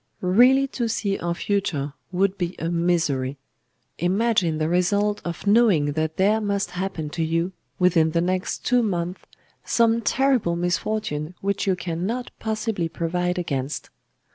Really to see our future would be a misery. Imagine the result of knowing that there must happen to you, within the next two months, some terrible misfortune which you cannot possibly provide against!